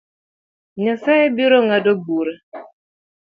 Nyasaye birongado bura